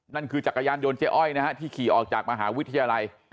นั่นคือจักรยานยนต์เจ๊อ้อยนะฮะที่ขี่ออกจากมหาวิทยาลัย